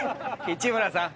市村さん